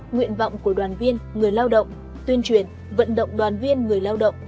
nguyện vọng của đoàn viên người lao động tuyên truyền vận động đoàn viên người lao động